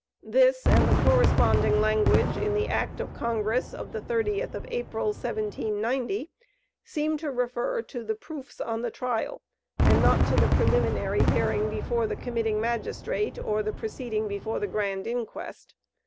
This and the corresponding language in the act of Congress of the 30th of April, 1790, seem to refer to the proofs on the trial, and not to the preliminary hearing before the committing magistrate, or the proceeding before the grand inquest.